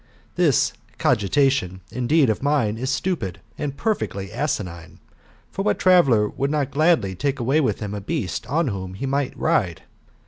This cogitation, indeed, of mine is stupid, 9nd perfectly asinine ; for what traveller would not gladly take away with him a beast on which he might ride?